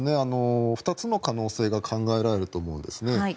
２つの可能性が考えられると思います。